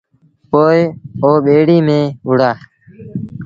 پوء او ٻيڙيٚ ميݩ وهُڙآ